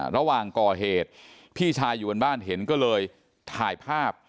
ระหว่างก่อเหตุพี่ชายอยู่บนบ้านเห็นก็เลยถ่ายภาพ